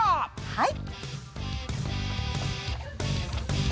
はい。